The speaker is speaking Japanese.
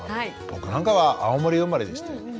僕なんかは青森生まれでしてへえ！